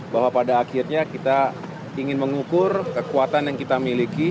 bahwa pada akhirnya kita ingin mengukur kekuatan yang kita miliki